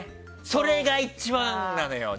それが一番なのよ。